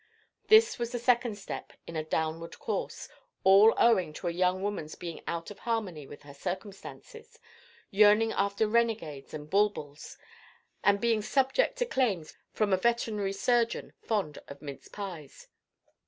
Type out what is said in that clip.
This was the second step in a downward course, all owing to a young woman's being out of harmony with her circumstances, yearning after renegades and bulbuls, and being subject to claims from a veterinary surgeon fond of mince pies.